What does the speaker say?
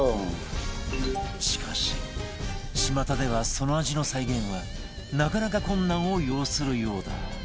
しかしちまたではその味の再現はなかなか困難を要するようだ